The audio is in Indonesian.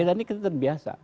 jadi kita terbiasa